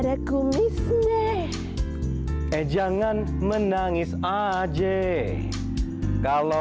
eh jangan menangis aja